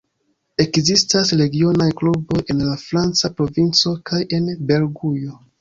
Ekzistas regionaj kluboj en la franca provinco kaj en Belgujo.